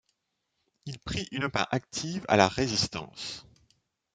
Il prit une part active à la Résistance.